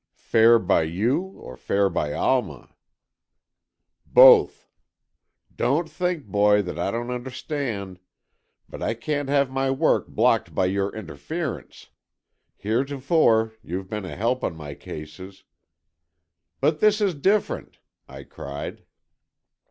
"Fair by you or fair by Alma?" "Both. Don't think, boy, that I don't understand. But I can't have my work blocked by your interference. Heretofore, you've been a help on my cases——" "But this is different!" I cried.